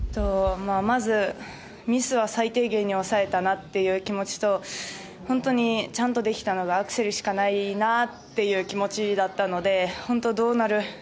まずミスは最低限に抑えたなという気持ちとちゃんとできたのがアクセルしかないなっていう気持ちだったので本当、どうなるか。